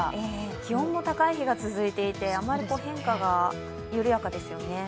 気温も高い日が続いていてあまり変化が、緩やかですよね。